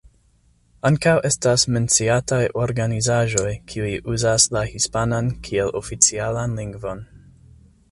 Ankaŭ estas menciataj organizaĵoj kiuj uzas la hispanan kiel oficialan lingvon.